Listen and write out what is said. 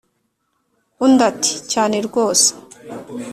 undi ati"cyane rwose